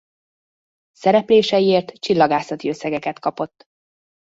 Szerepléseiért csillagászati összegeket kapott.